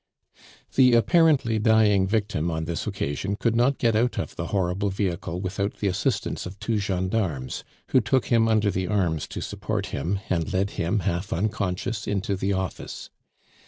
The apparently dying victim on this occasion could not get out of the horrible vehicle without the assistance of two gendarmes, who took him under the arms to support him, and led him half unconscious into the office.